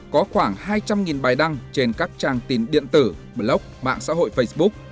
có khoảng hai trăm linh bài đăng trên các trang tin điện tử blog mạng xã hội facebook